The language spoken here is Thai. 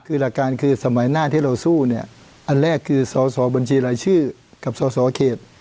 คือหลักการคือสมัยหน้าที่เราสู้เนี่ยอันแรกคือสอสอบัญชีรายชื่อกับสสเขต